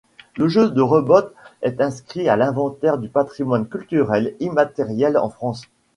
Le jeu de rebot est inscrit à l'Inventaire du patrimoine culturel immatériel en France.